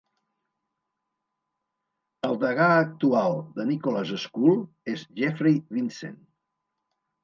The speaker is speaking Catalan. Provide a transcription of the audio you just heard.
El degà actual de Nicholas School és Jeffrey Vincent.